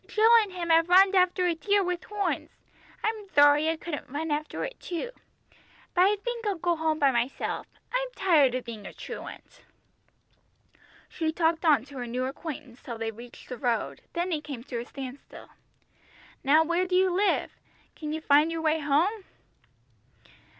Jill and him have runned after a deer with horns. I'm thorry I couldn't run after it too. But I think I'll go home by myself, I'm tired of being a truant." She talked on to her new acquaintance till they reached the road, then he came to a standstill. "Now where do you live? Can you find your way home?"